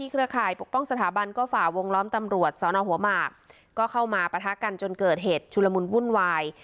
ซ้อนเอาหัวมากก็เข้ามาปะทะกันจนเกิดเหตุชุลมุนบุ่นวาย